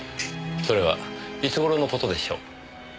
それはいつ頃の事でしょう？